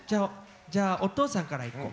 じゃあお父さんからいこう。